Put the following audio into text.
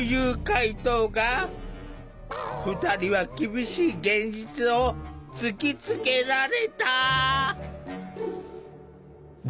２人は厳しい現実を突きつけられた。